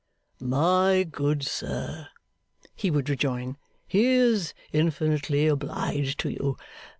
'My good sir,' he would rejoin, 'he is infinitely obliged to you.